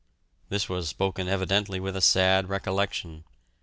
This was spoken evidently with a sad recollection.